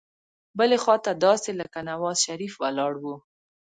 بلې خوا ته داسې لکه نوزا شریف ولاړ وو.